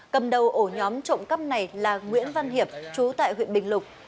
cầm đầu ổ nhóm trộm cấp này là nguyễn văn hiệp trú tại huyện bình lục